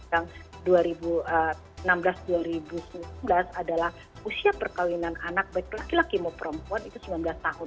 nah tahun dua ribu enam belas adalah usia perkahwinan anak baik laki laki maupun perempuan itu sembilan belas tahun